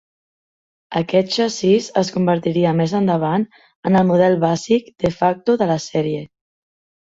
Aquest xassís es convertiria més endavant en el "model bàsic" "de facto" de la sèrie.